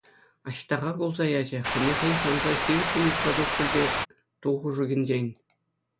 Аҫтаха кулса ячӗ, хӑйне хӑй шанса ҫирӗппӗн утса тухрӗ ту хушӑкӗнчен.